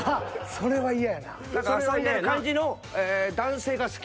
それは嫌やな。